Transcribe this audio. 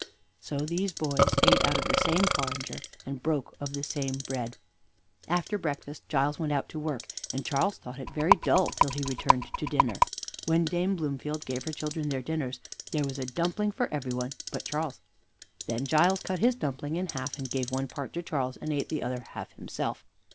So these boys ate out of the same porringer, and broke of the same bread. After breakfast Giles went out to work, and Charles thought it very dull till he returned to dinner. When Dame Bloomfield gave her children their dinners there was a dumpling for everyone but Charles; then Giles cut his dumpling in half, and gave one part to Charles, and ate the other half himself.